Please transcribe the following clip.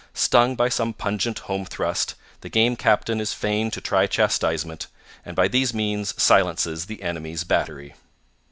Stung by some pungent home thrust, the Game Captain is fain to try chastisement, and by these means silences the enemy's battery.